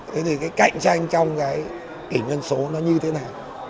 thế thì cái cạnh tranh trong cái kỷ nguyên số nó như thế nào